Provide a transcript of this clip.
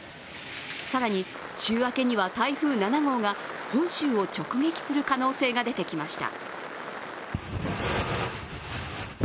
更に週明けには台風７号が本州を直撃する可能性が出てきました。